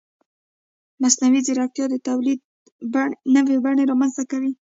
مصنوعي ځیرکتیا د تولید نوې بڼې رامنځته کوي.